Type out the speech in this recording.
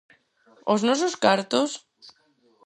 Os nosos cartos?